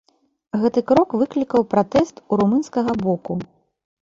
Гэты крок выклікаў пратэст у румынскага боку.